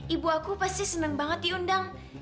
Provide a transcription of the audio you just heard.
ibu aku pasti senang banget diundang